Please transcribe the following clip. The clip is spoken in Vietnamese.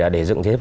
để dựng thế